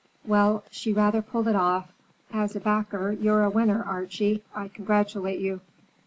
"Well, she rather pulled it off! As a backer, you're a winner, Archie. I congratulate you."